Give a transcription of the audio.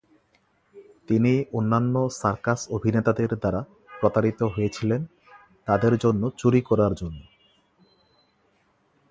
তিনি অন্যান্য সার্কাস অভিনেতাদের দ্বারা প্রতারিত হয়েছিলেন তাদের জন্য চুরি করার জন্য।